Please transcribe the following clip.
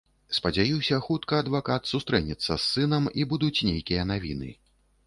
Спадзяюся, хутка адвакат сустрэнецца з сынам, і будуць нейкія навіны.